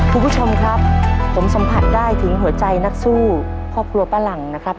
คุณผู้ชมครับผมสัมผัสได้ถึงหัวใจนักสู้ครอบครัวป้าหลังนะครับ